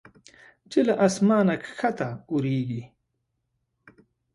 چې له اسمانه کښته اوریږي